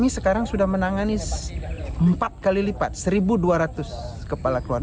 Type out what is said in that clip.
sekarang sudah menangani empat kali lipat satu dua ratus kepala keluarga